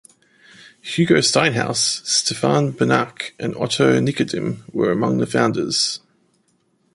Hugo Steinhaus, Stefan Banach and Otto Nikodym were among the founders.